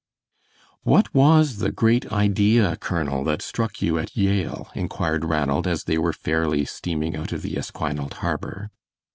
"What was the great idea, Colonel, that struck you at Yale?" inquired Ranald, as they were fairly steaming out of the Esquinalt harbor.